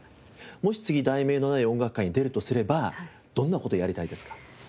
もし次『題名のない音楽会』に出るとすればどんな事やりたいですか？